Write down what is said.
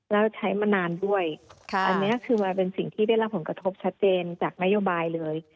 แล้วใช้มานานด้วยอันนี้คือมันเป็นสิ่งที่ได้รับผลกระทบชัดเจนจากนโยบายเลย